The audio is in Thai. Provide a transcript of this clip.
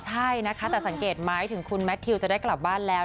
ใช่นะคะแต่สังเกตไหมถึงคุณแมททิวจะได้กลับบ้านแล้ว